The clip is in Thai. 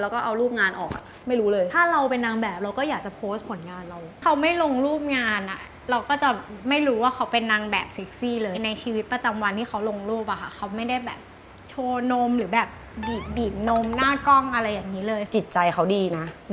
ก็ถึงเขาจะเซ็กซี่